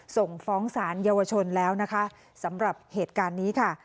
ส่งฟ้องสารเยาวชนแล้วนะคะสำหรับเหตุการณ์นี้ค่ะ